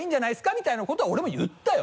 みたいなことは俺も言ったよ。